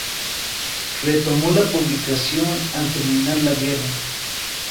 Retomó la publicación al terminar la guerra.